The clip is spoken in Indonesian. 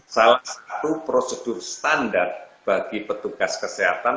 salah satu prosedur standar bagi petugas kesehatan